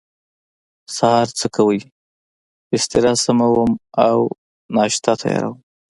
سهار څه کوئ؟ بستره سموم او ناشته تیاروم